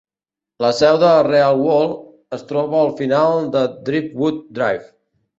La seu de Real World es troba al final de Driftwood Drive.